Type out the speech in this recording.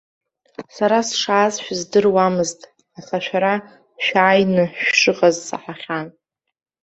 Сара сшааз шәыздыруамызт, аха шәара шәааины шәшыҟаз саҳахьан.